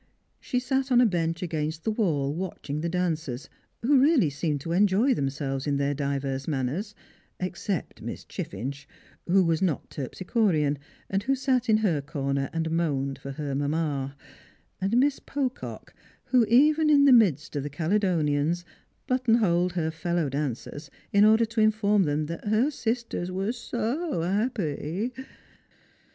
She sat on a bench against the wall watching the dancers, who really seemed to enjoy themselves in their divers manners, except Miss Chiffinch, who was not tei'psichorean, and who sat in her corner and moaned for her mamma; and Miss Pocock, who, even in the midst of the Caledonians, buttonholed her fellow dancers in order to inform them that her sisters were >> so appy.'